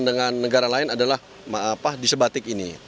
dengan negara lain adalah di sebatik ini